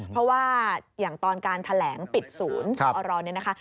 เพราะว่าอย่างตอนการแถลงปิดศูนย์สอรเนี่ยนะคะ